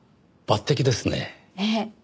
ええ。